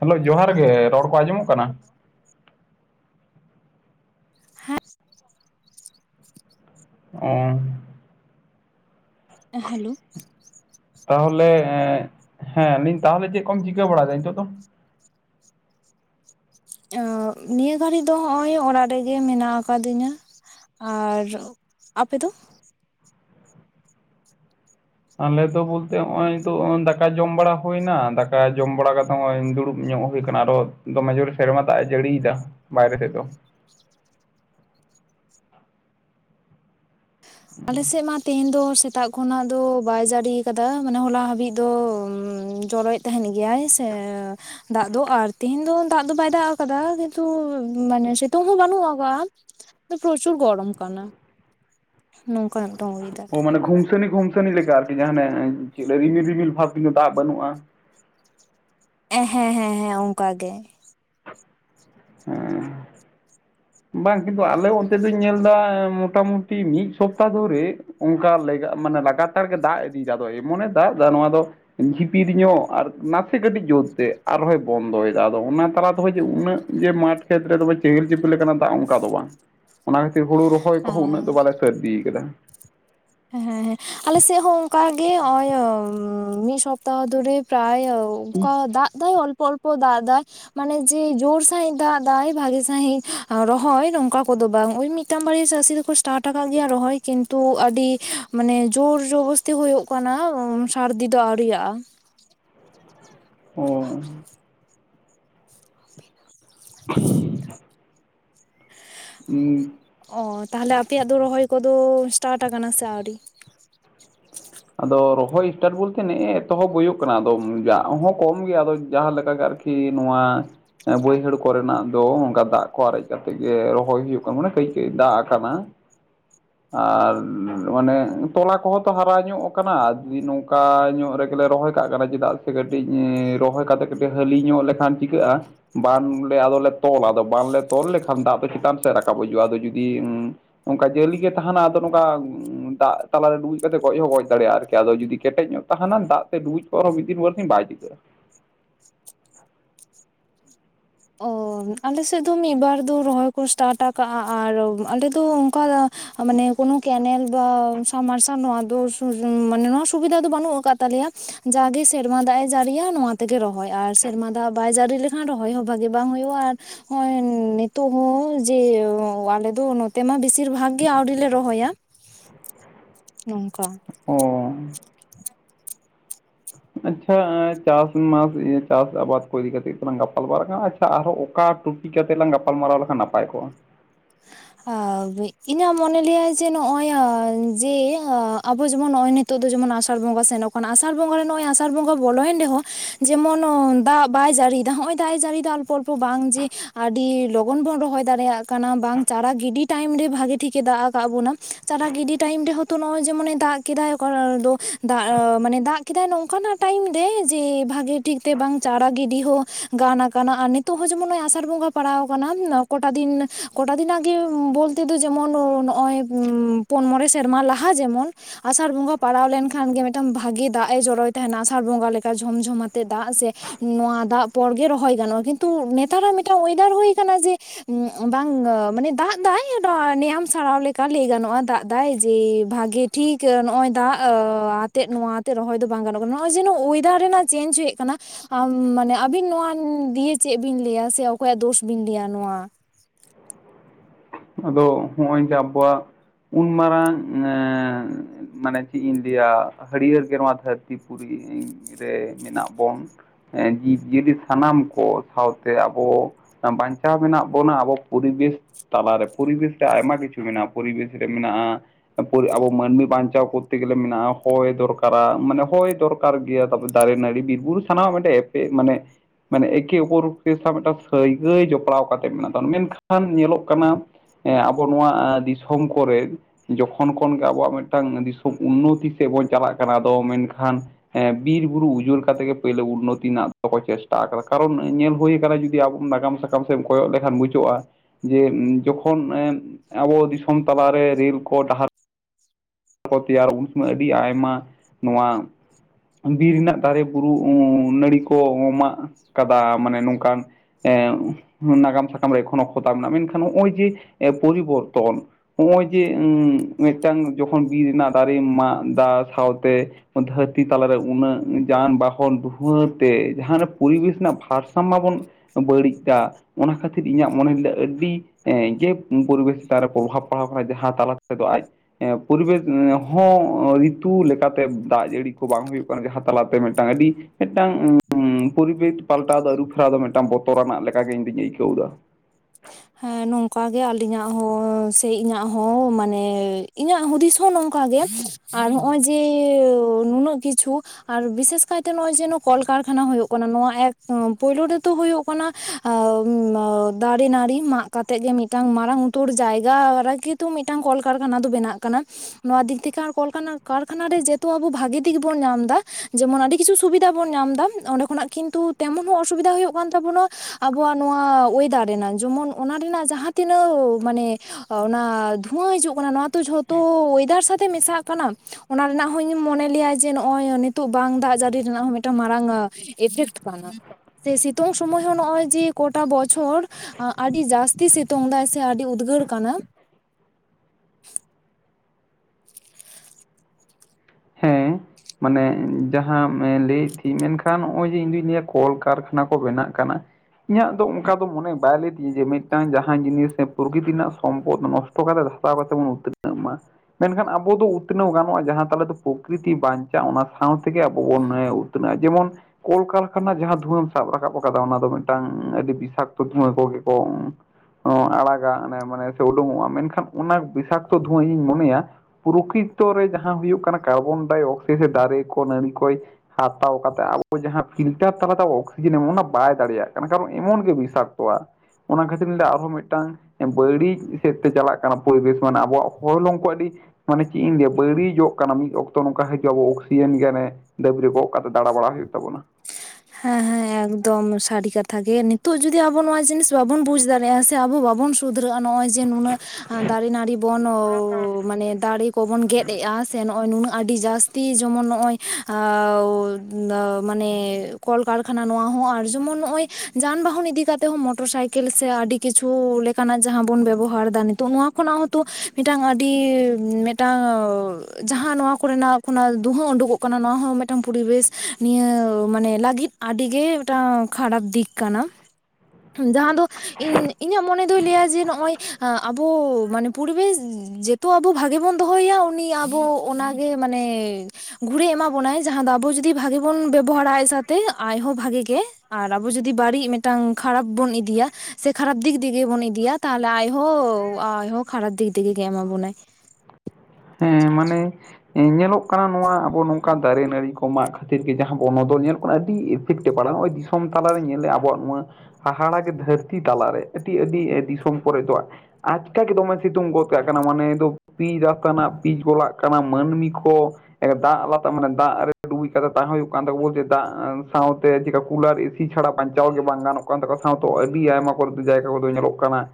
Hello ᱡᱚᱦᱟᱨ ᱜᱮ ᱨᱚᱲ ᱠᱚ ᱟᱸᱡᱚᱢᱚᱜ ᱠᱟᱱᱟ? ᱦᱮᱸ ᱚᱸ ᱮᱸ ᱦᱮᱞᱳ ᱛᱟᱦᱚᱞᱮ ᱦᱮᱸ ᱛᱟᱦᱚᱞᱮ ᱪᱮᱫ ᱠᱚᱢ ᱪᱤᱠᱟᱹ ᱵᱟᱲᱟᱭᱮᱫᱟ ᱱᱤᱛᱚᱜ ᱫᱚ? ᱱᱤᱭᱟᱹ ᱜᱷᱟᱹᱲᱤ ᱫᱚ ᱦᱚᱜ ᱚᱭ ᱚᱲᱟᱜ ᱨᱮᱜᱮ ᱢᱮᱱᱟᱜ ᱟᱠᱟᱫᱤᱧᱟ᱾ ᱟᱨ ᱟᱯᱮ ᱫᱚ? ᱟᱞᱮ ᱫᱚ ᱵᱚᱞᱛᱮ ᱱᱚᱜᱼᱚᱭ ᱱᱤᱛᱚᱜ ᱫᱟᱠᱟ ᱡᱚᱢ ᱵᱟᱲᱟ ᱦᱩᱭᱱᱟ ᱫᱟᱠᱟ ᱡᱚᱢ ᱵᱟᱲᱟ ᱠᱟᱛᱮ ᱦᱚᱸᱜ-ᱚᱭ ᱫᱩᱲᱩᱵ ᱧᱚᱜ ᱦᱩᱭ ᱠᱟᱱᱟ ᱟᱨᱚ ᱫᱚᱢᱮ ᱡᱳᱨ ᱥᱮᱨᱢᱟ ᱫᱟᱜ ᱮ ᱡᱟᱹᱲᱤᱭᱮᱫᱟ ᱵᱟᱭᱨᱮ ᱥᱮᱫ ᱫᱚ᱾ ᱟᱞᱮᱥᱮᱫ ᱢᱟ ᱛᱮᱦᱮᱧ ᱫᱚ ᱥᱮᱛᱟᱜ ᱠᱷᱚᱱᱟᱜ ᱫᱚ ᱵᱟᱭ ᱡᱟᱹᱲᱤ ᱟᱠᱟᱫᱟ ᱢᱟᱱᱮ ᱦᱚᱞᱟ ᱦᱟᱹᱵᱤᱡ ᱫᱚ ᱡᱚᱨᱚᱭᱮᱫ ᱛᱟᱦᱮᱸᱱ ᱜᱮᱭᱟᱭ ᱥᱮ ᱫᱟᱜ ᱫᱚ ᱟᱨ ᱛᱮᱦᱤᱧ ᱫᱚ ᱫᱟᱜ ᱫᱚ ᱵᱟᱭ ᱫᱟᱜ ᱟᱠᱟᱫᱟ ᱠᱤᱱᱛᱩ ᱢᱟᱱᱮ ᱥᱤᱛᱩᱝ ᱦᱚᱸ ᱵᱟᱹᱱᱩᱜ ᱟᱠᱟᱜᱼᱟ᱾ ᱛᱚ ᱯᱨᱚᱪᱩᱨ ᱜᱚᱨᱚᱢ ᱠᱟᱱᱟ᱾ ᱱᱚᱝᱠᱟᱱ ᱫᱚ ᱚ ᱢᱟᱱᱮ ᱜᱷᱩᱱᱥᱟᱹᱱᱤ ᱜᱷᱩᱱᱥᱟᱹᱱᱤ ᱞᱮᱠᱟ ᱟᱨᱠᱤ ᱡᱟᱦᱟᱸ ᱚᱱᱮ ᱨᱤᱢᱤᱞ ᱨᱤᱢᱤᱞ ᱵᱷᱟᱵ ᱠᱤᱱᱛᱩ ᱫᱟᱜ ᱵᱟᱹᱱᱩᱜᱼᱟ᱾ ᱮᱸ ᱦᱮᱸ ᱦᱮᱸ ᱚᱱᱠᱟ ᱜᱮ᱾ ᱦᱮᱸ ᱵᱟᱝ ᱠᱤᱱᱛᱩ ᱟᱞᱮ ᱚᱱᱛᱮ ᱫᱚᱧ ᱧᱮᱞ ᱮᱫᱟ ᱢᱚᱴᱟᱢᱩᱴᱤ ᱢᱤᱫ ᱥᱚᱯᱛᱟᱦᱚ ᱫᱷᱚᱨᱮ ᱚᱱᱠᱟ ᱢᱟᱱᱮ ᱞᱟᱜᱟᱛᱟᱨ ᱜᱮ ᱫᱟᱜ ᱤᱫᱤᱭᱮᱫᱟ ᱟᱫᱚ ᱮᱢᱚᱱ ᱮ ᱫᱟᱜ ᱫᱟ ᱱᱚᱣᱟ ᱫᱚ ᱡᱷᱤᱯᱤᱨ ᱧᱚᱜ ᱟᱨ ᱱᱟᱥᱮ ᱠᱟᱹᱴᱤᱡ ᱡᱳᱨ ᱛᱮ ᱟᱨᱦᱚᱸᱭ ᱵᱚᱱᱫᱚᱭᱮᱫᱟ ᱟᱫᱚ ᱚᱱᱟ ᱛᱟᱞᱟ ᱛᱮᱦᱚᱸ ᱡᱮ ᱩᱱᱟᱹᱜ ᱡᱮ ᱢᱟᱴ ᱠᱷᱮᱛ ᱨᱮ ᱫᱚᱢᱮ ᱪᱮᱦᱮᱞ ᱪᱮᱯᱮᱞ ᱟᱠᱟᱱᱟ᱾ ᱛᱟ ᱚᱱᱠᱟ ᱫᱚ ᱵᱟᱝ ᱚᱱᱟ ᱠᱷᱟᱹᱛᱤᱨ ᱦᱩᱲᱩ ᱨᱚᱦᱚᱭ ᱠᱚᱦᱚᱸ ᱦᱮᱸ ᱩᱱᱟᱹᱜ ᱫᱚ ᱵᱟᱞᱮ ᱥᱟᱹᱨᱫᱤ ᱟᱠᱟᱫᱟ᱾ ᱦᱮᱸ ᱦᱮᱸ ᱟᱞᱮ ᱥᱮᱫ ᱦᱚᱸ ᱚᱱᱠᱟ ᱜᱮ ᱱᱚᱜ ᱚᱭ ᱢᱤᱫ ᱥᱚᱯᱛᱟᱦᱚ ᱫᱷᱚᱨᱮ ᱯᱨᱟᱭ ᱚᱱᱠᱟ ᱫᱟᱜ ᱮᱫᱟᱭ ᱚᱞᱯᱚ ᱚᱞᱯᱚ ᱫᱟᱜ ᱮᱫᱟᱭ᱾ ᱢᱟᱱᱮ ᱡᱮ ᱡᱳᱨ ᱥᱟᱹᱦᱤᱡ ᱫᱟᱜ ᱫᱟᱭ ᱵᱷᱟᱜᱤ ᱥᱟᱹᱦᱤᱡ ᱨᱚᱦᱚᱭ ᱱᱚᱝᱠᱟ ᱠᱚᱫᱚ ᱵᱟᱝ ᱳᱭ ᱢᱤᱫ ᱢᱤᱫ ᱴᱟᱝ ᱵᱟᱨᱭᱟ ᱪᱟᱹᱥᱤ ᱫᱚᱠᱚ ᱥᱴᱟᱴ ᱟᱠᱟᱫ ᱜᱮᱭᱟ ᱨᱚᱦᱚᱭ ᱠᱤᱱᱛᱩ ᱟᱹᱰᱤ ᱢᱟᱱᱮ ᱡᱳᱨ ᱡᱚᱵᱚᱥᱛᱤ ᱦᱩᱭᱩᱜ ᱠᱟᱱᱟ ᱥᱟᱹᱨᱫᱤ ᱫᱚ ᱟᱨᱮᱭᱟᱜᱼᱟ᱾ ᱚ [unintelligible] ᱦᱩᱸ ᱚ ᱛᱟᱦᱚᱞᱮ ᱟᱯᱮᱭᱟᱜ ᱫᱚ ᱨᱚᱦᱚᱭ ᱠᱚᱫᱚ ᱥᱴᱟᱴ ᱟᱠᱟᱱᱟ ᱥᱮ ᱟᱹᱣᱨᱤ? ᱟᱫᱚ ᱨᱚᱦᱚᱭ ᱥᱴᱟᱨᱴ ᱵᱚᱞᱛᱮ ᱱᱮᱜᱼᱮ ᱮᱛᱚᱦᱚᱵ ᱦᱩᱭᱩᱜ ᱠᱟᱱᱟ ᱟᱫᱚ ᱫᱟᱜ ᱦᱚᱸ ᱠᱚᱢ ᱜᱮᱭᱟ ᱟᱫᱚ ᱡᱟᱦᱟᱸ ᱞᱮᱠᱟᱜᱮ ᱟᱨᱠᱤ ᱠᱤ ᱱᱚᱣᱟ ᱵᱟᱹᱭᱦᱟᱹᱲ ᱠᱚᱨᱮᱱᱟᱜ ᱫᱚ ᱚᱱᱠᱟ ᱫᱟᱜ ᱠᱚ ᱟᱨᱮᱡ ᱠᱟᱛᱮᱜ ᱜᱮ ᱨᱚᱦᱚᱭ ᱦᱩᱭᱩᱜ ᱛᱟᱵᱚᱱᱟ ᱠᱟᱹᱡ ᱠᱟᱹᱡ ᱫᱟᱜ ᱟᱠᱟᱱᱟ᱾ ᱟᱨ ᱢᱟᱱᱮ ᱛᱚᱞᱟ ᱠᱚᱦᱚᱸ ᱛᱚ ᱦᱟᱨᱟ ᱧᱚᱜ ᱟᱠᱟᱱᱟ ᱡᱩᱫᱤ ᱱᱚᱝᱠᱟ ᱧᱚᱜ ᱨᱮᱜᱮᱞᱮ ᱨᱚᱦᱚᱭ ᱠᱟᱜ ᱠᱟᱱᱟ ᱪᱮᱫᱟᱜ ᱥᱮ ᱠᱟᱹᱴᱤᱡ ᱨᱚᱦᱚᱭ ᱠᱟᱛᱮ ᱦᱟᱹᱞᱤ ᱧᱚᱜ ᱞᱮᱠᱷᱟᱱ ᱪᱤᱠᱟᱹᱜᱼᱟ ᱵᱟᱱ ᱞᱮ ᱟᱫᱚ ᱞᱮ ᱛᱚᱞᱟ ᱟᱫᱚ ᱵᱟᱱ ᱞᱮ ᱛᱚᱞ ᱞᱮᱠᱷᱟᱱ ᱫᱟᱜ ᱫᱚ ᱪᱮᱛᱟᱱ ᱥᱮᱫ ᱨᱟᱠᱟᱵ ᱦᱤᱡᱩᱜᱼᱟ ᱟᱫᱚ ᱡᱩᱫᱤ ᱚᱝᱠᱟ ᱡᱟᱹᱞᱤ ᱜᱮ ᱛᱟᱦᱮᱸᱱᱟ ᱟᱫᱚ ᱱᱚᱝᱠᱟ ᱫᱟᱜ ᱛᱟᱞᱟᱨᱮ ᱰᱩᱵᱩᱡ ᱠᱟᱛᱮᱫ ᱜᱚᱡ ᱦᱚᱸ ᱜᱚᱡ ᱫᱟᱲᱮᱭᱟᱜᱼᱟ ᱟᱨᱠᱤ ᱟᱫᱚ ᱡᱩᱫᱤ ᱠᱮᱴᱮᱡ ᱧᱚᱜ ᱛᱟᱦᱮᱸᱱᱟ ᱫᱟᱜ ᱛᱮ ᱰᱩᱵᱩᱡ ᱠᱚᱜ ᱨᱮᱦᱚᱸ ᱢᱤᱫ ᱫᱤᱱ ᱵᱟᱨ ᱥᱤᱧ ᱵᱟᱭ ᱪᱤᱠᱟᱹᱜᱼᱟ ᱚ ᱟᱞᱮ ᱥᱮᱫ ᱫᱚ ᱢᱤᱫ ᱵᱟᱨ ᱫᱚ ᱨᱚᱦᱚᱭ ᱠᱚ ᱥᱴᱟᱴ ᱟᱠᱟᱟᱜᱼᱟ ᱟᱨ ᱟᱞᱮ ᱫᱚ ᱚᱱᱠᱟ ᱢᱟᱱᱮ ᱠᱳᱱᱳ ᱠᱮᱱᱮᱞ ᱟᱥ ᱥᱟᱵᱢᱟᱨᱥᱟᱞ ᱱᱚᱣᱟ ᱫᱚ ᱢᱟᱱᱮ ᱱᱚᱣᱟ ᱥᱩᱵᱤᱫᱷᱟ ᱫᱚ ᱵᱟᱹᱱᱩᱜ ᱟᱠᱟᱫ ᱛᱟᱞᱮᱭᱟ ᱡᱟᱜᱮ ᱥᱮᱨᱢᱟ ᱫᱟᱜ ᱮ ᱡᱟᱹᱲᱤᱭᱤᱭᱟ ᱱᱚᱣᱟ ᱛᱮᱜᱮ ᱨᱚᱦᱚᱭ ᱟᱨ ᱥᱮᱨᱢᱟ ᱫᱟᱜ ᱵᱟᱭ ᱡᱟᱹᱲᱤ ᱞᱮᱠᱷᱟᱱ ᱨᱚᱦᱚᱭ ᱦᱚᱸ ᱵᱷᱟᱜᱤ ᱵᱟᱝ ᱦᱩᱭᱩᱜᱼᱟ ᱟᱨ ᱚᱜᱚᱭ ᱱᱤᱛᱚᱜ ᱦᱚᱸ ᱡᱮ ᱟᱞᱮᱫᱚ ᱱᱚᱛᱮ ᱢᱟ ᱵᱮᱥᱤᱨ ᱵᱷᱟᱜᱽ ᱜᱮ ᱟᱹᱣᱨᱤ ᱞᱮ ᱨᱚᱦᱚᱭᱟ ᱾ [inaudible] ᱱᱚᱝᱠᱟ ᱚ ᱟᱪᱪᱷᱟ ᱪᱟᱥ ᱢᱟᱥ ᱪᱟᱥ ᱟᱵᱟᱫᱽ ᱠᱚ ᱤᱫᱤ ᱠᱟᱛᱮ ᱜᱮᱞᱟᱝ ᱜᱟᱯᱟᱞᱢᱟᱨᱟᱜ ᱟᱠᱟᱱᱟ ᱾ ᱟᱪᱪᱷᱟ ᱟᱨ ᱦᱚᱸ ᱟᱠᱟ ᱴᱚᱯᱤᱠ ᱠᱟᱛᱮ ᱞᱟᱝ ᱜᱟᱯᱟᱞᱢᱟᱨᱟᱣ ᱞᱮᱠᱷᱟᱱ ᱱᱟᱯᱟᱭ ᱠᱚᱜ-ᱟ᱾ ᱮ ᱤᱧᱟᱹᱜ ᱢᱚᱱᱮ ᱞᱟ. ᱭ ᱟᱭ ᱡᱮ ᱱᱚᱜᱼᱚᱭ ᱡᱮ ᱟᱵᱚ ᱡᱮᱢᱚᱱ ᱱᱚᱜᱼᱚᱭ ᱱᱤᱛᱚᱜ ᱱᱤᱛᱚᱜ ᱫᱚ ᱡᱮᱢᱚᱱ ᱟᱥᱟᱲ ᱵᱚᱸᱜᱟ ᱥᱮᱱᱚᱜ ᱠᱟᱱᱟ ᱾ ᱟᱥᱟᱲ ᱵᱚᱸᱜᱟ ᱨᱮ ᱱᱚᱜ-ᱚᱭ ᱟᱥᱟᱲ ᱵᱚᱸᱜᱟ ᱵᱚᱞᱚᱭᱮᱱ ᱨᱮᱦᱚᱸ ᱡᱮᱢᱚᱱ ᱫᱟᱜ ᱵᱟᱭ ᱡᱟᱹᱲᱤ ᱱᱚᱜ-ᱚᱭ ᱫᱟᱜ ᱮ ᱡᱟᱹᱨᱤᱫᱟ ᱚᱞᱯᱚ ᱚᱞᱯᱚ ᱵᱟᱝ ᱡᱮ ᱟᱹᱰᱤ ᱞᱚᱜᱚᱱ ᱵᱚᱱ ᱨᱚᱦᱚᱭ ᱫᱟᱲᱮᱭᱟᱜ ᱠᱟᱱᱟ ᱵᱟᱝ ᱪᱟᱨᱟ ᱜᱤᱰᱤ ᱴᱟᱭᱤᱢ ᱨᱮ ᱵᱷᱟᱜᱤ ᱴᱷᱤᱠᱮ ᱫᱟᱜ ᱟᱠᱟᱫ ᱵᱚᱱᱟ ᱪᱟᱨᱟ ᱜᱤᱰᱤ ᱴᱟᱭᱤᱢ ᱨᱮ ᱦᱚᱛᱚ ᱱᱚᱜᱼᱚᱭ ᱡᱮᱢᱚᱱᱮ ᱫᱟᱜ ᱠᱮᱫᱟᱭ ᱚᱠᱟ ᱫᱚ ᱫᱟᱜ ᱢᱟᱱᱮ ᱫᱟᱜ ᱠᱮᱫᱟᱭ ᱱᱚᱝᱠᱟᱱᱟᱜ ᱴᱟᱭᱤᱢ ᱨᱮ ᱡᱮ ᱵᱷᱟᱜᱮ ᱴᱷᱤᱠ ᱛᱮ ᱵᱟᱝ ᱪᱟᱨᱟ ᱜᱤᱰᱤ ᱦᱚᱸ ᱜᱟᱱ ᱟᱠᱟᱱᱟ ᱟᱨ ᱱᱤᱛᱚᱜ ᱦᱚᱸ ᱡᱮᱢᱚᱱ ᱱᱚᱜᱚᱭ ᱟᱥᱟᱲ ᱵᱚᱸᱜᱟ ᱯᱟᱲᱟᱣ ᱟᱠᱟᱱᱟ ᱾ ᱠᱚᱴᱟ ᱫᱤᱱ ᱫᱤᱱ ᱟᱜᱮ ᱵᱚᱞᱛᱮ ᱫᱚ ᱡᱮᱢᱚᱱ ᱱᱚᱜ-ᱚᱭ ᱯᱩᱱ ᱢᱚᱬᱮ ᱥᱮᱨᱢᱟ ᱞᱟᱦᱟ ᱡᱮᱢᱚᱱ ᱟᱥᱟᱲ ᱵᱚᱸᱜᱟ ᱯᱟᱲᱟᱣ ᱞᱮᱱᱠᱷᱟᱱ ᱜᱮ ᱢᱤᱫᱴᱟᱝ ᱵᱷᱟᱜᱤ ᱫᱟᱜ ᱮ ᱡᱚᱨᱚᱭ ᱛᱟᱦᱮᱱᱟ ᱟᱥᱟᱲ ᱵᱚᱸᱜᱟ ᱞᱮᱠᱟ ᱡᱷᱚᱢ ᱡᱷᱚᱢ ᱟᱛᱮᱫ ᱫᱟᱜ ᱥᱮ ᱱᱚᱣᱟ ᱫᱟᱜ ᱯᱚᱨ ᱜᱮ ᱨᱚᱦᱚᱭ ᱜᱟᱱᱚᱜᱼᱟ ᱾ ᱠᱤᱱᱛᱩ ᱱᱮᱛᱟᱨᱟᱜ ᱢᱤᱫᱴᱟᱝ ᱚᱭᱮᱫᱟᱨ ᱦᱩᱭ ᱠᱟᱱᱟ ᱡᱮ ᱵᱟᱝ ᱢᱟᱱᱮ ᱫᱟᱜ ᱫᱟᱭ ᱱᱚᱣᱟ ᱱᱮᱭᱟᱢ ᱥᱟᱲᱟᱣ ᱞᱮᱠᱟ ᱞᱟᱹᱭ ᱜᱟᱱᱚᱜᱼᱟ ᱫᱟᱜ ᱫᱟᱭ ᱡᱮ ᱵᱷᱟᱜᱮ ᱴᱷᱤᱠ ᱱᱚᱜᱼᱚᱭ ᱫᱟᱜ ᱟᱛᱮᱜ ᱱᱚᱣᱟ ᱟᱛᱮ ᱨᱚᱦᱚᱭ ᱫᱚ ᱵᱟᱝ ᱜᱟᱱᱚᱜ ᱠᱟᱱᱟ ᱱᱚᱜᱼᱚᱭ ᱡᱮᱱᱚ ᱚᱭᱮᱫᱟᱨ ᱨᱮᱱᱟᱜ ᱪᱮᱧᱡᱽ ᱦᱮᱡ ᱟᱠᱟᱱᱟ ᱟᱢ ᱢᱟᱱᱮ ᱟᱹᱵᱤᱱ ᱱᱚᱣᱟ ᱫᱤᱭᱮ ᱪᱮᱫ ᱵᱤᱱ ᱞᱟᱹᱭᱟ ᱥᱮ ᱚᱠᱚᱭᱟᱜ ᱫᱳᱥ ᱵᱤᱱ ᱞᱟᱹᱭᱟ ᱱᱚᱣᱟ ᱟᱫᱚ ᱦᱚᱸᱜᱼᱚᱭ ᱡᱮ ᱟᱵᱚᱣᱟᱜ ᱩᱱ ᱢᱟᱨᱟᱝ ᱮ ᱢᱟᱱᱮ ᱪᱮᱫ ᱤᱧ ᱞᱟᱹᱭᱟ ᱦᱟᱹᱨᱭᱟᱹᱲ ᱜᱮ ᱱᱚᱣᱟ ᱫᱷᱟᱹᱨᱛᱤ ᱯᱩᱨᱤ ᱨᱮ ᱢᱮᱱᱟᱜ ᱵᱚᱱ ᱡᱤᱵᱽᱡᱤᱭᱟᱹᱞᱤ ᱥᱟᱱᱟᱢ ᱠᱚ ᱥᱟᱶᱛᱮ ᱟᱵᱚ ᱵᱟᱧᱪᱟᱣ ᱢᱮᱱᱟᱜ ᱵᱚᱱᱟ ᱟᱵᱚ ᱯᱚᱨᱤᱵᱮᱥ ᱛᱟᱞᱟ ᱨᱮ ᱯᱚᱨᱤᱵᱮᱥ ᱨᱮ ᱟᱭᱢᱟ ᱠᱤᱪᱷᱩ ᱢᱮᱱᱟᱜᱼᱟ ᱯᱚᱨᱤᱵᱮᱥ ᱨᱮ ᱢᱮᱱᱟᱜᱼᱟ ᱟᱵᱚ ᱢᱟᱹᱱᱢᱤ ᱵᱟᱧᱪᱟᱣ ᱠᱚᱨᱛᱮ ᱜᱮᱞᱮ ᱢᱮᱱᱟᱜᱼᱟ ᱦᱚᱭ ᱫᱚᱨᱠᱟᱨᱟ ᱢᱟᱱᱮ ᱦᱚᱭ ᱫᱚᱨᱠᱟᱨ ᱟᱨ ᱜᱮᱭᱟ ᱛᱟᱯᱚᱨ ᱫᱟᱨᱮ ᱱᱟᱹᱲᱤ ᱵᱤᱨ ᱵᱩᱨᱩ ᱥᱟᱱᱟᱢ ᱟᱜ ᱮᱯᱮ ᱢᱟᱱᱮ ᱢᱟᱱᱮ ᱮᱠᱮ ᱩᱯᱚᱨ ᱥᱟᱶ ᱢᱤᱫᱴᱟᱝ ᱥᱟᱹᱭᱜᱟᱹᱭ ᱡᱚᱯᱲᱟᱣ ᱠᱟᱛᱮ ᱢᱮᱱᱟᱜ ᱛᱟᱵᱚᱱᱟ ᱢᱮᱱᱠᱷᱟᱱ ᱧᱮᱞᱚᱜ ᱠᱟᱱᱟ ᱦᱮᱸᱟᱵᱚ ᱱᱚᱣᱟ ᱫᱤᱥᱚᱢ ᱠᱚᱨᱮ ᱡᱚᱠᱷᱚᱱ ᱠᱷᱚᱱᱜᱮ ᱟᱵᱚᱣᱟᱜ ᱢᱤᱫᱴᱟᱝ ᱫᱤᱥᱚᱢ ᱩᱱᱱᱚᱛᱤ ᱥᱮᱫ ᱵᱚᱱ ᱪᱟᱞᱟᱜ ᱠᱟᱱᱟ ᱟᱫᱚ ᱢᱮᱱᱠᱷᱟᱱ ᱦᱮᱸ ᱵᱤᱨ ᱵᱩᱨᱩ ᱩᱡᱟᱹᱲ ᱠᱟᱛᱮ ᱜᱮ ᱯᱳᱭᱞᱳ ᱩᱱᱱᱚᱛᱤ ᱨᱮᱱᱟᱜ ᱫᱚᱠᱚ ᱪᱮᱥᱴᱟ ᱟᱠᱟᱫᱟ ᱠᱟᱨᱚᱱ ᱧᱮᱞ ᱦᱩᱭ ᱟᱠᱟᱱᱟ ᱡᱩᱫᱤ ᱟᱵᱚ ᱱᱟᱜᱟᱢ ᱥᱟᱠᱟᱢ ᱥᱮᱫ ᱮᱢ ᱠᱚᱭᱚᱜ ᱞᱮᱠᱷᱟᱱ ᱵᱩᱡᱷᱟᱹᱜᱼᱟ ᱡᱮ ᱡᱚᱠᱷᱚᱱ ᱠᱷᱚᱱ ᱟᱵᱚ ᱫᱤᱥᱚᱢ ᱛᱟᱞᱟᱨᱮ ᱨᱮᱞ ᱠᱚ ᱰᱟᱦᱟᱨ ᱠᱚ ᱛᱮᱭᱟᱨ ᱟᱵᱚᱱ ᱠᱟᱱᱟ ᱟᱹᱰᱤ ᱟᱭᱢᱟ ᱱᱚᱣᱟ ᱵᱤᱨ ᱨᱮᱱᱟᱜ ᱫᱟᱨᱮ ᱵᱩᱨᱩ ᱱᱟᱹᱲᱤ ᱠᱚ ᱢᱟᱜᱽ ᱠᱟᱫᱟ ᱢᱟᱱᱮ ᱱᱚᱝᱠᱟᱱ ᱮ ᱱᱟᱜᱟᱢ ᱥᱟᱠᱟᱢ ᱨᱮ ᱮᱠᱷᱚᱱᱳ ᱠᱷᱚᱛᱟ ᱢᱮᱱᱟᱜᱼᱟ ᱢᱮᱱᱠᱷᱟᱱ ᱱᱚᱜᱼᱭ ᱡᱮ ᱯᱤᱵᱚᱨᱛᱚᱱ ᱱᱚᱜᱼᱚᱭ ᱡᱮ ᱢᱤᱫᱴᱟᱝ ᱡᱚᱠᱷᱚᱱ ᱵᱤᱨ ᱨᱮᱱᱟᱜ ᱫᱟᱨᱮ ᱢᱟᱜᱽ ᱫᱟ ᱥᱟᱶᱛᱮ ᱫᱷᱟᱹᱨᱛᱤ ᱛᱟᱞᱟᱨᱮ ᱩᱱᱟᱹᱜ ᱡᱟᱱᱵᱟᱦᱚᱱ ᱫᱷᱩᱣᱟᱹ ᱛᱮ ᱡᱟᱦᱟᱨᱮ ᱯᱚᱨᱤᱵᱮᱥ ᱨᱮᱱᱟᱜ ᱯᱷᱟᱨ ᱥᱟᱝ ᱢᱟ ᱵᱚᱱ ᱵᱟᱹᱲᱤᱡ ᱫᱟᱜ ᱚᱱᱟ ᱠᱷᱟᱹᱛᱤᱨ ᱤᱧᱟᱹᱜ ᱢᱚᱱᱮ ᱟᱹᱰᱤ ᱜᱮ ᱯᱚᱨᱤᱵᱮᱥ ᱪᱮᱛᱟᱱᱨᱮ ᱯᱨᱚᱵᱷᱟᱵᱽ ᱯᱟᱲᱟᱣ ᱠᱟᱱᱟ ᱡᱟᱦᱟᱸ ᱛᱟᱞᱟ ᱛᱮᱫᱚ ᱟᱡ ᱯᱚᱨᱤᱵᱮᱥ ᱦᱚᱸ ᱨᱤᱛᱩ ᱞᱮᱠᱟᱛᱮ ᱫᱟᱜ ᱡᱟᱹᱲᱤ ᱠᱚ ᱵᱟᱝ ᱦᱩᱭᱩᱜ ᱠᱟᱱᱟ ᱡᱟᱦᱟᱸ ᱛᱟᱞᱟᱛᱮ ᱢᱤᱫᱴᱟᱝ ᱟᱹᱰᱤ ᱢᱤᱫᱴᱟᱝ ᱯᱚᱨᱤᱵᱮᱥ ᱯᱟᱞᱴᱟᱣ ᱫᱚ ᱟᱹᱨᱩ ᱯᱷᱮᱨᱟᱣ ᱫᱚ ᱢᱤᱫᱴᱟᱝ ᱵᱚᱛᱚᱨᱟᱱᱟᱜ ᱞᱮᱠᱟᱜᱮ ᱤᱧᱫᱩᱧ ᱟᱹᱭᱠᱟᱹᱣᱫᱟ ᱦᱮᱸ ᱱᱚᱝᱠᱟ ᱜᱮ ᱟᱹᱞᱤᱧᱟᱜ ᱦᱚᱸ ᱥᱮ ᱤᱧᱟᱹᱜ ᱦᱚᱸ ᱢᱟᱱᱮ ᱤᱧᱟᱹᱜ ᱦᱩᱫᱤᱥ ᱦᱚᱸ ᱱᱚᱝᱠᱟ ᱜᱮ ᱟᱨ ᱱᱚᱜᱼᱚᱭ ᱡᱮ ᱱᱩᱱᱟᱹᱜ ᱠᱤᱪᱷᱩ ᱟᱨ ᱵᱤᱥᱮᱥ ᱠᱟᱭᱛᱮ ᱱᱚᱜᱼᱚᱭ ᱡᱮᱱᱚ ᱠᱚᱞᱠᱟᱨᱠᱷᱟᱱᱟ ᱦᱳᱭᱳᱜ ᱠᱟᱱᱟ ᱱᱚᱣᱟ ᱮᱠ ᱯᱳᱭᱞᱳ ᱨᱮᱫᱚ ᱦᱳᱭᱳᱜ ᱠᱟᱱᱟ ᱟᱣ ᱩᱢ ᱟ-ᱫᱟᱲᱮ ᱱᱟᱲᱤ ᱾ ᱢᱟᱜ ᱠᱟᱛᱮᱜ ᱜᱮ ᱢᱤᱫᱴᱟᱝ ᱢᱟᱨᱟᱝ ᱩᱛᱟᱹᱨ ᱡᱟᱭᱜᱟ ᱨᱮ ᱠᱤ ᱛᱚ ᱢᱤᱫᱴᱟᱝ ᱠᱚᱞᱠᱟᱨᱠᱷᱟᱱᱟ ᱫᱚ ᱵᱮᱱᱟᱜ ᱠᱟᱱᱟ ᱱᱚᱣᱟ ᱫᱤᱠ ᱛᱷᱤᱠᱟᱹᱲ ᱠᱟᱨᱠᱷᱟᱱᱟ ᱨᱮ ᱡᱮᱦᱮᱛᱩ ᱟᱵᱚ ᱵᱷᱟᱹᱜᱤ ᱛᱮᱜᱮ ᱵᱚᱱ ᱧᱟᱢ ᱮᱫᱟ ᱡᱮᱢᱚᱱ ᱟᱹᱰᱤ ᱠᱤᱪᱷᱩ ᱥᱩᱵᱤᱫᱷᱟ ᱵᱚᱱ ᱧᱟᱢ ᱮᱫᱟ ᱚᱸᱰᱮ ᱠᱷᱚᱱᱟᱜ ᱠᱤᱱᱛᱩ ᱛᱮᱢᱚᱱ ᱦᱚᱸ ᱚᱥᱩᱵᱤᱫᱟ ᱦᱩᱭᱩᱜ ᱠᱟᱱ ᱛᱟᱵᱚᱱᱟ ᱟᱵᱚᱣᱟᱜ ᱱᱚᱣᱟ ᱚᱭᱮᱫᱟ ᱨᱮᱱᱟᱜ ᱡᱚᱢᱚᱱ ᱚᱱᱟ ᱨᱮᱱᱟᱜ ᱡᱟᱦᱟᱸ ᱛᱤᱱᱟᱹᱣ ᱢᱟᱱᱮ ᱚᱱᱟ ᱫᱷᱩᱣᱟᱹ ᱦᱤᱡᱩᱜ ᱠᱟᱱᱟ ᱱᱚᱣᱟ ᱫᱚ ᱡᱷᱚᱛᱚ ᱚᱭᱮᱫᱟᱨ ᱥᱟᱛᱮ ᱢᱮᱥᱟᱜ ᱠᱟᱱᱟ ᱚᱱᱟ ᱨᱮᱱᱟᱜ ᱦᱚᱸᱧ ᱢᱚᱱᱮ ᱞᱮᱭᱟ ᱡᱮ ᱱᱚᱜᱼᱚᱭ ᱱᱤᱛᱚᱜ ᱵᱟᱝ ᱫᱟᱜ ᱡᱟᱹᱲᱤ ᱨᱮᱱᱟᱜ ᱦᱚᱸ ᱢᱤᱫᱴᱟᱝ ᱤᱯᱷᱮᱠᱴ ᱠᱟᱱᱟ ᱥᱮ ᱥᱤᱛᱩᱝ ᱥᱩᱚᱢᱚᱭ ᱦᱚᱸ ᱱᱚᱜᱼᱚᱭ ᱡᱮ ᱠᱚᱴᱟ ᱵᱚᱪᱷᱚᱨ ᱟᱹᱰᱤ ᱡᱟᱹᱥᱛᱤ ᱥᱤᱛᱩᱝ ᱫᱟᱭ ᱥᱮ ᱟᱹᱰᱤ ᱩᱫᱽᱜᱟᱹᱨ ᱠᱟᱱᱟ ᱦᱮᱸ ᱢᱟᱱᱮ ᱡᱟᱦᱟᱸᱢ ᱞᱟᱹᱭ ᱛᱷᱤ ᱢᱮᱱᱠᱷᱟᱱ ᱱᱚᱜᱼᱚᱭ ᱡᱮ ᱤᱧᱫᱩᱧ ᱞᱟᱹᱭᱟ ᱠᱚᱞᱠᱟᱨᱠᱷᱟᱱᱟ ᱠᱚ ᱵᱮᱱᱟᱜ ᱠᱟᱱᱟ ᱤᱧᱟᱹᱜ ᱫᱚ ᱚᱱᱠᱟ ᱫᱚ ᱢᱚᱱᱮ ᱵᱟᱭ ᱞᱟᱹᱭ ᱛᱤᱧᱟᱹ ᱡᱮ ᱢᱤᱫᱴᱟᱝ ᱡᱟᱦᱟᱸ ᱡᱤᱱᱤᱥ ᱯᱨᱚᱜᱤᱛ ᱨᱮᱱᱟᱜ ᱥᱚᱢᱯᱚᱫ ᱱᱚᱥᱴᱚ [unintelligible] ᱠᱟᱛᱮ ᱫᱷᱟᱥᱟᱣ ᱠᱟᱛᱮ ᱵᱚᱱ ᱩᱛᱱᱟᱹᱜ ᱢᱟ ᱢᱮᱱᱠᱷᱟᱱ ᱟᱵᱚ ᱫᱚ ᱩᱛᱱᱟᱹᱣ ᱜᱟᱱᱚᱜᱼᱟ ᱡᱟᱦᱟᱸ ᱛᱟᱞᱮ ᱫᱚ ᱯᱚᱨᱠᱩᱨᱛᱤ ᱵᱟᱧᱪᱟᱜᱼᱟ ᱚᱱᱟ ᱥᱟᱶ ᱛᱮᱜᱮ ᱟᱵᱚ ᱵᱚᱱ ᱩᱛᱱᱟᱹᱜᱼᱟ ᱡᱮᱢᱚᱱ ᱠᱚᱞ ᱠᱟᱨᱠᱷᱱᱟ ᱡᱟᱦᱟᱸ ᱫᱷᱩᱣᱟᱹᱢ ᱥᱟᱵ ᱨᱟᱠᱟᱵ ᱟᱠᱟᱫᱟ ᱚᱱᱟ ᱫᱚ ᱢᱤᱫᱴᱟᱝ ᱟᱹᱰᱤ ᱵᱤᱥᱟᱠᱛᱚ ᱫᱷᱩᱣᱟᱹ ᱠᱚ ᱜᱮ ᱠᱚ ᱦᱚᱸ ᱟᱲᱟᱜᱟ ᱥᱮ ᱩᱰᱩᱝᱚᱜᱼᱟ ᱢᱮᱱᱠᱷᱟᱱ ᱚᱱᱟ ᱵᱤᱥᱟᱠᱛᱚ ᱫᱷᱩᱣᱟᱹ ᱤᱧᱤᱧ ᱢᱚᱱᱮᱭᱟ ᱯᱨᱚᱠᱤᱛᱚ ᱨᱮ ᱡᱟᱦᱟᱸ ᱦᱩᱭᱩᱜ ᱠᱟᱱᱟ ᱠᱟᱨᱵᱚᱱᱰᱟᱭ-ᱚᱠᱥᱟᱭᱤᱰ ᱫᱟᱨᱮ ᱠᱚ ᱱᱟᱹᱲᱤ ᱠᱚᱭ ᱦᱟᱛᱟᱣ ᱠᱟᱛᱮ ᱟᱵᱚ ᱡᱟᱦᱟᱸ ᱯᱷᱤᱞᱴᱟᱨ ᱛᱟᱞᱟ ᱛᱟᱵᱚᱱ ᱠᱷᱤᱡᱤᱞᱤ ᱚᱱᱟ ᱵᱟᱭ ᱫᱟᱲᱮᱭᱟᱜ ᱠᱟᱱᱟ ᱠᱟᱨᱚᱱ ᱮᱢᱚᱱ ᱜᱮ ᱵᱤᱥᱟᱠᱛᱚᱼᱟ ᱚᱱᱟ ᱠᱷᱟᱴᱤᱞᱫᱟ ᱟᱵᱚ ᱢᱤᱫᱴᱟᱝ ᱵᱟᱹᱲᱤᱡ ᱥᱮᱫ ᱛᱮ ᱪᱟᱞᱟᱜ ᱠᱟᱱᱟ ᱯᱚᱨᱤᱵᱮᱥ ᱢᱟᱱᱮ ᱟᱵᱚᱣᱟᱜ ᱦᱚᱭᱞᱚᱝ ᱠᱚ ᱟᱹᱰᱤ ᱢᱟᱱᱮ ᱪᱮ ᱤᱧ ᱞᱟᱹᱭᱟ ᱵᱟᱹᱲᱤ ᱡᱚᱜ ᱚᱱᱠᱟᱱᱟᱜ ᱢᱤᱫ ᱚᱠᱛᱚ ᱱᱚᱝᱠᱟ ᱦᱤᱡ ᱟᱵᱚ ᱚᱠᱥᱤᱡᱮᱱ ᱜᱮᱭᱟᱱᱮ ᱫᱟᱹᱵᱤ ᱨᱮ ᱜᱚᱜ ᱠᱟᱛᱮ ᱫᱬᱟ ᱵᱟᱲᱟ ᱦᱩᱭᱩᱜ ᱛᱟᱵᱚᱱᱟ ᱦᱮᱸᱦᱮᱸ ᱮᱠᱫᱚᱢ ᱥᱟᱹᱨᱤ ᱠᱟᱛᱷᱟ ᱜᱮ ᱱᱤᱛᱚᱜ ᱡᱩᱫᱤ ᱟᱵᱚ ᱱᱚᱣᱟ ᱡᱤᱱᱤᱥ ᱵᱟᱵᱚᱱ ᱵᱩᱡ ᱫᱟᱲᱮᱭᱟᱜᱼᱟ ᱥᱮ ᱟᱵᱚ ᱵᱟᱵᱚᱱ ᱥᱩᱫᱷᱨᱟᱹᱜᱼᱟ ᱱᱚᱭ ᱡᱮ ᱱᱩᱱᱟᱹᱜ ᱫᱟᱨᱮ ᱱᱟᱹᱲᱤ ᱵᱚᱱ ᱢᱟᱱᱮ ᱫᱟᱨᱮ ᱠᱚᱵᱚᱱ ᱜᱮᱫ ᱮᱼᱟ ᱥᱮ ᱱᱚᱜᱼᱚᱭ ᱱᱩᱱᱟᱹᱜ ᱟᱹᱰᱤ ᱡᱟᱹᱥᱛᱤ ᱡᱮᱢᱚᱱ ᱱᱚᱜᱼᱚᱭ [unintelligible] ᱱᱩᱱᱟᱹᱣ ᱢᱟᱱᱮ ᱠᱚᱞᱠᱟᱨᱠᱷᱟᱱᱟ ᱱᱚᱣᱟ ᱦᱚᱸ ᱟᱨ ᱡᱚᱢᱚᱱ ᱱᱚᱜᱼᱚᱭ ᱡᱟᱱᱵᱟᱦᱚᱱ ᱤᱫᱤ ᱠᱟᱛᱮ ᱦᱚᱸ ᱢᱚᱴᱚᱨ ᱥᱟᱭᱠᱮᱞ ᱥᱮ ᱟᱹᱰᱤ ᱠᱤᱪᱷᱩ ᱠᱟᱱᱟ ᱡᱟᱦᱟᱸ ᱵᱚᱱ ᱵᱮᱵᱚᱦᱟᱨ ᱮᱫᱟ ᱱᱤᱛᱚᱜ ᱱᱚᱣᱟ ᱠᱷᱚᱱᱟᱜ ᱦᱚᱸ ᱛᱚ ᱢᱤᱫᱴᱟᱝ ᱟᱹᱰᱤ ᱢᱤᱫᱴᱟᱣ ᱡᱟᱦᱟᱸ ᱱᱚᱣᱟ ᱠᱚᱨᱮᱱᱟᱜ ᱠᱷᱚᱱᱟᱜ ᱫᱩᱸᱦᱟᱹᱣ ᱩᱰᱩᱠᱚᱜ ᱠᱟᱱᱟ ᱱᱚᱣᱟ ᱦᱚᱸ ᱢᱤᱫᱴᱟᱝ ᱯᱚᱨᱤᱵᱮᱥ ᱱᱤᱭᱟᱹ ᱢᱟᱱᱮ ᱞᱟᱹᱜᱤᱫ ᱟᱹᱰᱤ ᱜᱮ ᱢᱤᱫᱴᱟᱝ ᱠᱷᱟᱨᱟᱯ ᱫᱤᱠ ᱠᱟᱱᱟ ᱡᱟᱦᱟᱸ ᱫᱚ ᱤᱧ ᱤᱧᱟᱹᱜ ᱢᱚᱱᱮ ᱫᱚᱭ ᱞᱟᱹᱭᱟ ᱡᱮ ᱱᱚᱜᱼᱚᱭ ᱟᱵᱚ ᱢᱟᱱᱮ ᱯᱚᱨᱤᱵᱮᱥ ᱛᱚ ᱟᱵᱚ ᱵᱷᱟᱹᱜᱤ ᱵᱚᱱ ᱫᱚᱦᱚᱭᱮᱭᱟ ᱩᱱᱤ ᱟᱵᱚ ᱚᱱᱟ ᱜᱮ ᱢᱟᱱᱮ ᱜᱷᱩᱨᱮ ᱮᱢᱟ ᱵᱚᱱᱟᱭ ᱡᱟᱦᱟᱸ ᱫᱚ ᱟᱵᱚ ᱡᱩᱫᱤ ᱵᱷᱟᱜᱤ ᱵᱚᱱ ᱵᱮᱵᱚᱦᱟᱨᱟ ᱟᱡ ᱥᱟᱶᱛᱮ ᱟᱡ ᱦᱚᱸ ᱵᱷᱟᱜᱤ ᱜᱮ ᱟᱨ ᱟᱵᱚ ᱡᱩᱚᱫᱤ ᱵᱟᱹᱲᱤᱡ ᱢᱤᱫᱴᱟᱝ ᱠᱷᱟᱨᱟᱯ ᱵᱚᱱ ᱤᱫᱤᱭᱟ ᱥᱮ ᱠᱷᱟᱨᱟᱯ ᱫᱤᱠ ᱫᱤᱜᱤᱭᱟ ᱵᱚᱱ ᱤᱫᱤᱭᱟ ᱛᱟᱦᱚᱞᱮ ᱟᱭᱦᱳ ᱟᱭᱦᱳ ᱠᱷᱟᱨᱯ ᱫᱤᱠ ᱫᱤᱜᱤ ᱜᱮ ᱮᱢᱟ ᱵᱚᱱᱟᱭ᱾ ᱦᱮᱸ ᱢᱟᱱᱮ ᱧᱮᱞᱚᱜ ᱠᱟᱱᱟ ᱱᱚᱣᱟ ᱟᱵᱚ ᱱᱚᱝᱠᱟ ᱫᱟᱨᱮ ᱱᱟᱹᱲᱤ ᱠᱚ ᱢᱟᱜ ᱠᱷᱟᱹᱛᱤᱨ ᱜᱮ ᱡᱟᱦᱟᱸ ᱚᱱᱚᱫᱚᱞ ᱧᱮᱞᱚᱜ ᱠᱟᱱᱟ ᱟᱹᱰᱤ ᱴᱷᱤᱠ ᱴᱮ ᱯᱟᱲᱟ ᱱᱚᱜᱼᱚᱭ ᱫᱤᱥᱚᱢ ᱛᱟᱞᱟᱨᱮ ᱧᱮᱞᱮᱜᱼᱟ ᱟᱵᱚᱣᱟᱜ ᱱᱚᱣᱟ ᱦᱟᱦᱟᱲᱟ ᱜᱮ ᱫᱷᱟᱹᱨᱛᱤ ᱛᱟᱞᱟᱨᱮ ᱟᱹᱰᱤ ᱟᱹᱰᱤ ᱫᱤᱥᱚᱢ ᱠᱚᱨᱮ ᱫᱚ ᱟᱪᱠᱟᱜᱮ ᱫᱚᱢᱮ ᱥᱤᱛᱩᱝ ᱜᱚᱫᱠᱟᱜ ᱠᱟᱱᱟ ᱢᱟᱱ ᱫᱚ ᱯᱤᱫᱟ ᱚᱱᱟ ᱯᱤᱪ ᱜᱚᱞᱟᱜ ᱠᱟᱱᱟ ᱢᱟᱹᱱᱢᱤ ᱠᱚ ᱫᱟᱜ ᱵᱟᱠᱚ ᱢᱟᱱᱮ ᱫᱟᱜ ᱨᱮ ᱨᱩᱭ ᱠᱟᱫᱟ ᱛᱟᱦᱮᱸ ᱦᱩᱭᱩᱜ ᱠᱟᱱ ᱛᱟᱵᱚᱱᱟ ᱡᱮ ᱫᱟᱜ ᱥᱟᱶᱛᱮ ᱪᱮᱠᱟ ᱠᱩᱞᱟᱨ ᱮᱥᱤ ᱪᱷᱟᱲᱟ ᱵᱟᱧᱪᱟᱣ ᱜᱮ ᱵᱟᱝ ᱜᱟᱱᱚᱜ ᱠᱚᱱ ᱛᱟᱠᱚ ᱥᱟᱶᱛᱚ ᱟᱹᱰᱤ ᱟᱭᱢᱟ ᱠᱚᱨᱮ ᱡᱟᱭᱜᱟ ᱠᱚᱫᱚ ᱧᱮᱞᱚᱜ ᱠᱟᱱᱟ ᱾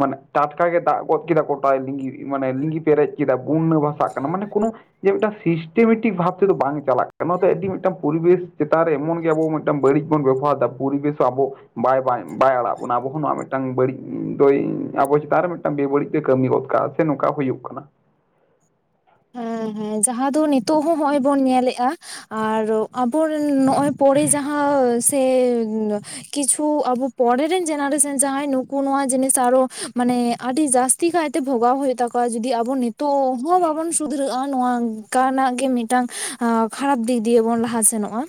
ᱢᱟᱱᱮ ᱴᱟᱴᱠᱟ ᱜᱮ ᱫᱟᱜ ᱜᱚᱫ ᱠᱮᱫᱟ ᱠᱚᱴᱟᱭ ᱞᱤᱸᱜᱤ ᱢᱟᱱᱮ ᱞᱤᱸᱜᱤ ᱯᱮᱨᱮᱡ ᱪᱮᱫᱟ ᱵᱩᱨᱱᱟ ᱵᱷᱟᱥᱟᱜ ᱠᱟᱱᱟ ᱢᱟᱱᱮ ᱠᱳᱱᱳ ᱡᱮ ᱢᱤᱫᱴᱟᱝ ᱥᱤᱥᱴᱮᱵᱮᱴᱤᱠ ᱵᱷᱟᱵᱽ ᱛᱮᱫᱚ ᱵᱟᱝ ᱪᱟᱞᱟᱜ ᱚᱱᱟᱛᱮ ᱟᱹᱰᱤ ᱢᱤᱫᱴᱟᱝ ᱯᱚᱨᱤᱵᱮᱥ ᱪᱮᱛᱟᱱ ᱨᱮ ᱮᱢᱚᱱ ᱜᱮ ᱟᱵᱚ ᱢᱤᱫᱴᱟᱝ ᱵᱟᱹᱲᱤᱡ ᱵᱚᱱ ᱵᱮᱵᱚᱦᱟᱨᱫᱟ ᱯᱚᱨᱤᱵᱮᱥ ᱦᱚᱸ ᱟᱵᱚ ᱵᱟᱭ ᱵᱟᱭ ᱵᱟᱭ ᱟᱲᱟᱜ ᱵᱚᱱᱟ ᱟᱵᱚ ᱦᱚᱸ ᱱᱚᱣᱟ ᱢᱤᱫᱴᱟᱝ ᱵᱟᱹᱲᱤᱡ ᱫᱚᱭ ᱟᱵᱚ ᱪᱮᱛᱟᱱ ᱨᱮ ᱢᱤᱫᱴᱟᱝ ᱵᱮᱵᱟᱹᱲᱤᱡ ᱛᱮ ᱠᱟᱹᱢᱤ ᱜᱚᱫ ᱠᱟᱜᱼᱟ ᱥᱮ ᱱᱚᱝᱠᱟ ᱦᱩᱭᱩᱜ ᱠᱟᱱᱟ ᱦᱮᱸ ᱦᱮᱸ ᱡᱟᱦᱟᱸ ᱫᱚ ᱱᱤᱛᱚᱜ ᱦᱚᱸ ᱦᱚᱜ ᱚᱚᱭ ᱵᱚᱱ ᱧᱮᱞᱮᱼᱟ ᱟᱨ ᱟᱵᱚᱨᱤᱱ ᱱᱚᱜᱼᱚᱭ ᱯᱚᱨᱮ ᱡᱟᱦᱟᱸ ᱥᱮ ᱠᱤᱪᱷᱩ ᱟᱵᱚ ᱯᱚᱨᱮ ᱨᱤᱱ ᱡᱮᱱᱮᱨᱮᱥᱚᱱ ᱡᱟᱦᱟᱸᱭ ᱱᱩᱠᱩ ᱱᱚᱣᱟ ᱡᱤᱱᱤᱥ ᱥᱟᱹᱨᱚ ᱢᱟᱱᱮ ᱟᱹᱰᱤ ᱡᱟᱹᱥ ᱪᱤ ᱠᱟᱭᱛᱮ ᱵᱷᱚᱜᱟᱣ ᱦᱩᱭᱩᱜ ᱛᱟᱠᱚᱣᱟ ᱡᱩᱫᱤ ᱟᱵᱚ ᱱᱤᱛᱚᱜ ᱦᱚᱸ ᱵᱟᱵᱚᱱ ᱥᱩᱫᱷᱨᱟᱹᱜᱼᱟ ᱱᱚᱣᱟ ᱠᱟᱱᱟᱜ ᱜᱮ ᱢᱤᱫᱴᱟᱝ ᱠᱷᱟᱨᱟᱯ ᱫᱤᱠ ᱫᱤᱭᱮ ᱵᱚᱱ ᱞᱟᱦᱟ ᱥᱮᱱᱚᱜᱼᱟ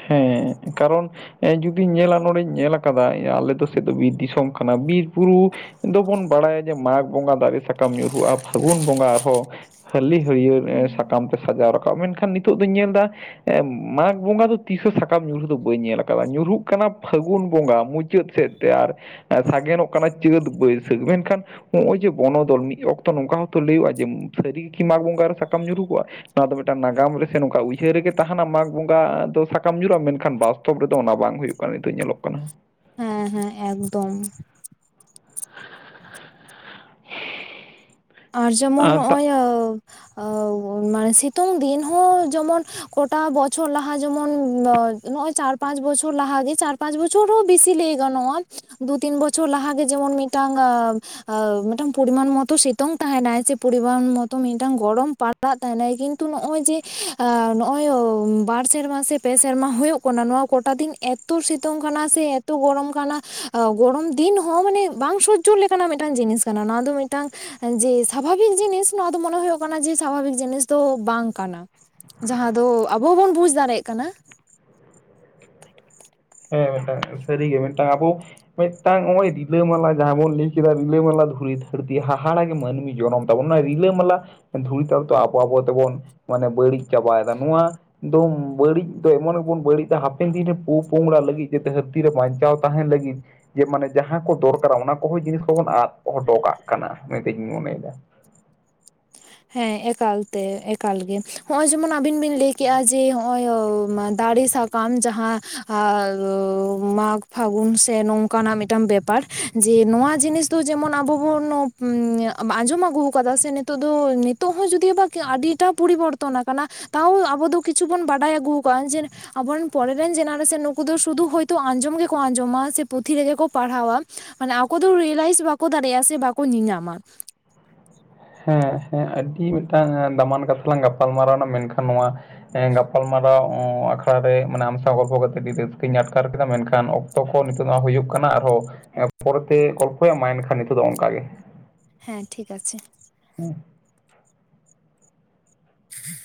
ᱦᱮᱸ ᱠᱟᱨᱚᱱ ᱮ ᱡᱩᱫᱤᱢ ᱧᱮᱞᱟ ᱱᱚᱸᱰᱮᱧ ᱧᱮᱞ ᱟᱠᱟᱫᱟ ᱟᱞᱮ ᱫᱚ ᱥᱮᱫ ᱫᱚ ᱵᱤᱨ ᱫᱤᱥᱚᱢ ᱠᱟᱱᱟ ᱵᱤᱨ ᱵᱩᱨᱩ ᱫᱚᱵᱚᱱ ᱵᱟᱲᱟᱭᱟ ᱡᱮ ᱢᱟᱜᱽ ᱵᱚᱸᱜᱟ ᱫᱟᱨᱮ ᱥᱟᱠᱟᱢ ᱧᱩᱨᱦᱩᱜᱼᱟ ᱯᱷᱟᱹᱜᱩᱱ ᱵᱚᱸᱜᱟ ᱟᱨᱦᱚᱸ ᱦᱟᱹᱞᱤ ᱦᱟᱹᱲᱭᱟᱹᱲ ᱮᱸ ᱥᱟᱠᱟᱢ ᱛᱮ ᱥᱟᱡᱟᱣ ᱨᱟᱠᱟᱵ ᱢᱮᱱᱠᱷᱟᱱ ᱱᱤᱛᱚᱜ ᱫᱚᱧ ᱧᱮᱞ ᱫᱟ ᱢᱟᱜᱽ ᱵᱚᱸᱜᱟ ᱫᱚ ᱛᱤᱥ ᱦᱚᱸ ᱥᱟᱠᱟᱢ ᱧᱩᱨᱦᱩ ᱫᱚ ᱵᱟᱹᱧ ᱧᱮᱞ ᱟᱠᱟᱫᱟ ᱧᱩᱨᱦᱩᱜ ᱠᱟᱱᱟ ᱯᱷᱟᱹᱜᱩᱱ ᱵᱚᱸᱜᱟ ᱢᱩᱪᱟᱹᱫ ᱥᱮᱫ ᱛᱮ ᱟᱨ ᱥᱟᱜᱮᱱᱚᱜ ᱠᱟᱱᱟ ᱪᱟᱹᱛ ᱵᱟᱹᱭᱥᱟᱹᱠᱷ ᱢᱮᱱᱠᱷᱟᱱ ᱦᱚᱜᱼᱚᱭ ᱡᱮ ᱵᱚᱱᱚᱫᱚᱞ ᱢᱤᱫ ᱚᱠᱛᱚ ᱱᱚᱝᱠᱟ ᱦᱚᱸᱛᱚ ᱞᱟᱹᱭᱼᱟ ᱡᱮ ᱥᱟᱹᱨᱤ ᱜᱮᱠᱤ ᱢᱟᱜᱽ ᱵᱚᱸᱜᱟ ᱨᱮ ᱥᱟᱠᱟᱢ ᱧᱩᱨᱩ ᱠᱚᱜᱼᱟ ᱱᱚᱣᱟ ᱫᱚ ᱢᱤᱫᱴᱟᱱ ᱱᱟᱜᱟᱢ ᱨᱮ ᱥᱮ ᱱᱚᱝᱠᱟ ᱩᱭᱦᱟᱹᱨ ᱨᱮᱜᱮ ᱛᱟᱦᱮᱱᱟ ᱢᱟᱜᱽ ᱵᱚᱸᱜᱟ ᱫᱚ ᱥᱟ ᱠᱟᱢ ᱧᱩᱨᱩᱜᱼᱟ ᱢᱮᱱᱠᱷᱟᱱ ᱵᱟᱥᱛᱚᱵ ᱨᱮᱫᱚ ᱚᱱᱟ ᱵᱟᱝ ᱦᱩᱭᱩᱜ ᱠᱟᱱᱟ ᱱᱤᱛᱚᱜ ᱧᱮᱞᱚᱜ ᱠᱟᱱᱟ ᱾ ᱦᱮᱸ ᱦᱮᱸ ᱮᱠᱫᱚᱢ ᱾ ᱟᱨ ᱡᱮᱢᱚᱱ ᱟᱸ ᱛᱟᱜ ᱱᱚᱜᱼᱚᱭ ᱢᱟᱱᱮ ᱥᱤᱛᱩᱝ ᱫᱤᱱ ᱦᱚᱸ ᱡᱮᱢᱚᱱ ᱠᱚᱴᱟ ᱵᱚᱪᱷᱚᱨ ᱞᱟᱦᱟ ᱡᱮᱢᱚᱱ ᱱᱚ ᱤᱱᱟ ᱪᱟᱨ ᱯᱟᱸᱪ ᱵᱚᱪᱷᱚᱨ ᱞᱟᱦᱟ ᱜᱮ ᱪᱟᱨ ᱯᱟᱸᱪ ᱵᱚ ᱪᱮᱫ ᱦᱚᱸ ᱵᱮᱥᱤ ᱞᱟᱹᱭ ᱜᱟᱱᱚᱜᱼᱟ ᱾ ᱫᱩ ᱛᱤᱱ ᱵᱚᱪᱷᱚᱨ ᱞᱟᱦᱟ ᱜᱮ ᱡᱮᱢᱚᱱ ᱢᱤᱫᱴᱟᱝ ᱮᱸ ᱮᱸ ᱢᱤᱫᱴᱟᱝ ᱯᱚᱨᱤᱢᱟᱱ ᱢᱚᱛᱚ ᱥᱮ ᱛᱩᱝ ᱛᱟᱦᱮᱱᱟᱭ ᱪᱮ ᱯᱚᱨᱤᱢᱟᱱ ᱢᱚᱛᱚ ᱢᱤᱫᱴᱟᱝ ᱜᱚᱲᱚᱢ ᱯᱟᱲᱟᱜ ᱛᱟᱦᱮᱱᱟᱭ ᱠᱤᱱᱛᱩ ᱱᱚᱜᱼᱚᱭ ᱡᱮ ᱟᱻ ᱱᱚᱜᱼᱚᱭ ᱵᱟᱨ ᱥᱮᱨᱢᱟ ᱥᱮ ᱯᱮ ᱥᱮᱨᱢᱟ ᱦᱩᱭᱩᱜ ᱠᱟᱱᱟ ᱱᱚᱣᱟ ᱠᱚᱴᱟ ᱫᱤᱱ ᱮᱛᱩᱨ ᱥᱤᱛᱩᱝ ᱠᱟᱱᱟ ᱥᱮ ᱛᱚ ᱜᱚᱨᱚᱢ ᱠᱟᱱᱟ ᱜᱚᱨᱚᱢ ᱫᱤᱱ ᱦᱚᱸ ᱢᱟᱱᱮ ᱵᱟᱝ ᱥᱚᱡᱡᱚ ᱞᱮᱠᱟᱱᱟᱜ ᱢᱤᱫᱴᱟᱱ ᱡᱤᱱᱤᱥ ᱠᱟᱱᱟ ᱱᱚᱣᱟ ᱫᱚ ᱢᱤᱫᱴᱟᱝ ᱡᱮ ᱥᱟᱵᱷᱟᱵᱤᱠ ᱡᱤᱱᱤᱥ ᱱᱚᱣᱟ ᱫᱚ ᱢᱚᱱᱮ ᱦᱩᱭᱩᱜ ᱠᱟᱱᱟ ᱡᱮ ᱥᱟᱵᱷᱟᱵᱤᱠ ᱡᱤᱱᱤᱥ ᱫᱚ ᱵᱟᱝ ᱠᱟᱱᱟ ᱾ ᱡᱟᱦᱟᱸ ᱫᱚ ᱟᱵᱚ ᱵᱚᱱ ᱵᱩᱡ ᱫᱟᱲᱮᱜ ᱠᱟᱱᱟ ᱾ ᱦᱮᱸ ᱦᱮᱸ ᱡᱷᱚᱹᱨᱤ ᱜᱮ ᱢᱤᱫᱴᱟᱝ ᱟᱵᱚ ᱢᱮᱜᱽᱴᱟᱝ ᱚᱜᱼᱚᱭ ᱨᱤᱞᱟᱹ-ᱢᱟᱞᱟ ᱡᱟᱦᱟᱸ ᱵᱚᱱ ᱞᱟᱹᱭ ᱠᱮᱫᱟ ᱨᱤᱞᱟᱹ-ᱢᱟᱞᱟ ᱫᱷᱩᱲᱤ ᱫᱷᱟᱹᱨᱛᱤ ᱦᱟᱦᱟᱲᱟ ᱜᱮ ᱢᱟᱹᱱᱢᱤ ᱡᱚᱱᱚᱢ ᱾ ᱛᱟᱵᱚᱱ ᱚᱱᱟ ᱨᱤᱞᱟᱹᱢᱟᱞᱟ ᱫᱷᱩᱲᱤ ᱛᱟᱞ ᱛᱚ ᱟᱵᱚ ᱟᱵᱚ ᱛᱮᱵᱚᱱ ᱢᱟᱱᱮ ᱵᱟᱹᱲᱤᱡ ᱪᱟᱵᱟᱭ ᱫᱟ ᱱᱚᱣᱟ ᱫᱚᱢ ᱵᱟᱹᱲᱤᱡ ᱫᱚ ᱮᱢᱚᱱ ᱮᱵᱚᱱ ᱵᱟᱹᱲᱤᱡ ᱫᱟ ᱦᱟᱯᱮᱱ ᱫᱤᱱ ᱨᱮ ᱯᱩ ᱯᱚᱝᱲᱟ ᱞᱟᱹᱜᱤᱫ ᱡᱟᱛᱮ ᱦᱟᱹᱨᱛᱤ ᱨᱮ ᱵᱟᱧᱪᱟᱣ ᱛᱟᱦᱮᱱ ᱞᱟᱹᱜᱤᱫ ᱡᱮ ᱢᱟᱱᱮ ᱡᱟᱦᱟᱸ ᱠᱚ ᱫᱚᱨᱠᱟᱨᱟ ᱚᱱᱟ ᱠᱚᱦᱚᱸ ᱡᱤᱱᱤᱥ ᱠᱚᱵᱚᱱ ᱟᱫ ᱦᱚᱴᱚ ᱠᱟᱜ ᱠᱟᱱᱟ ᱢᱮᱱᱛᱤᱧ ᱢᱚᱱᱮ ᱫᱟ ᱾ ᱦᱮᱸ ᱮᱠᱟᱞ ᱛᱮ ᱮᱠᱟᱞ ᱜᱮ ᱦᱚᱜᱼᱚᱭ ᱡᱮᱢᱚᱱ ᱟᱵᱤᱱ ᱵᱤᱱ ᱞᱟᱹᱭ ᱠᱮᱫᱮᱜᱼᱟ ᱡᱮ ᱦᱚᱜᱼᱚᱭ ᱫᱟᱲᱮ ᱥᱟ ᱠᱟᱢ ᱡᱟᱦᱟᱸ ᱟᱻ ᱢᱟᱜᱽ ᱯᱷᱟᱹᱜᱩᱱ ᱥᱮ ᱱᱚᱝᱠᱟᱱᱟᱜ ᱢᱤᱫᱴᱟᱝ ᱵᱮᱯ ᱯᱟᱨ ᱡᱮ ᱱᱚᱣᱟ ᱡᱤᱱᱤᱥ ᱫᱚ ᱡᱮᱢᱚᱱ ᱟᱵᱚ ᱵᱚᱱ ᱩᱢ ᱟᱸᱡᱚᱢ ᱟᱹᱜᱩᱣ ᱟᱠᱟᱫᱟ ᱥᱮ ᱱᱤᱛᱟᱜ ᱫᱚ ᱱᱤᱛᱚᱜ ᱦᱚᱸ ᱡᱩᱫᱤ ᱵᱟ ᱟᱹᱰᱤᱴᱟ ᱯᱚᱨᱤᱵᱚᱨᱛᱚᱱ ᱟᱠᱟᱱᱟ ᱾ ᱛᱟᱣ ᱟᱵᱚ ᱫᱚ ᱠᱤᱪᱷᱩ ᱵᱚᱱ ᱵᱟᱰᱟᱭ ᱟᱹᱜᱩ ᱠᱟᱜᱼᱟ ᱡᱮ ᱟᱵᱚ ᱨᱮᱱ ᱯᱚᱨᱮ ᱨᱮᱱ ᱡᱮᱱᱟᱨᱮᱥᱮᱱ ᱱᱩᱠᱩ ᱫᱚ ᱥᱩᱫᱩ ᱦᱚᱭᱛᱳ ᱟᱸᱡᱚᱢ ᱜᱮᱠᱚ ᱟᱸᱡᱚᱢᱟ ᱥᱮ ᱯᱩᱛᱷᱤ ᱨᱮᱜᱮ ᱠᱚ ᱯᱟᱲᱦᱟᱣᱟ ᱾ ᱢᱟᱱᱮ ᱟᱠᱚ ᱫᱚ ᱨᱤᱭᱮᱞᱟᱭᱤᱥ ᱵᱟᱠᱚ ᱫᱟᱲᱮᱭᱟᱜᱼᱟ ᱥᱮ ᱵᱟᱠᱚ ᱧᱮ ᱧᱟᱢᱟ ᱾ ᱦᱮᱸ ᱦᱮᱸ ᱟᱹᱰᱤ ᱢᱤᱫᱴᱟᱝ ᱫᱟᱢᱟᱱ ᱠᱟᱛᱷᱟ ᱞᱟᱝ ᱜᱟᱯᱟᱞ ᱢᱟᱨᱟᱣ ᱱᱟ ᱢᱮᱱᱠᱷᱟᱱ ᱱᱚᱣᱟ ᱜᱟᱯᱟᱞ ᱢᱟᱨᱟᱣ ᱮᱸ ᱟᱠ ᱛᱷᱟ ᱨᱮ ᱢᱟᱱᱮ ᱟᱢ ᱥᱟᱶ ᱜᱚᱞᱯᱷᱚ ᱠᱟᱛᱮ ᱟᱹᱰᱤ ᱨᱟᱹᱥᱠᱟᱹᱧ ᱟᱴᱠᱟᱨ ᱠᱮᱫᱟ ᱢᱮᱱᱠᱷᱟᱱ ᱚᱠᱛᱚ ᱠᱷᱚᱱ ᱱᱤᱛᱚᱜ ᱱᱚᱣᱟ ᱦᱩᱭᱩᱜ ᱠᱟᱱᱟ ᱟᱨᱦᱚᱸ ᱦᱮ ᱯᱚᱨᱮ ᱜᱚᱞᱯᱚᱭᱟ ᱢᱟ ᱮᱱᱠᱷᱟᱱ ᱱᱤᱛᱚᱜ ᱫᱚ ᱚᱱᱠᱟ ᱜᱮ ᱾ ᱦᱮᱸ ᱴᱷᱤᱠ ᱟᱪᱷᱮ ᱾ ᱦᱩᱸ ᱾ ᱦᱮᱸ